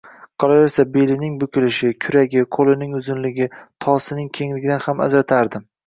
Qolaversa, belining bukilishi, kuragi, qo`lining uzunligi, tosining kengligidan ham ajratardim